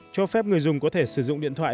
cho phép người dùng có thể sử dụng điện thoại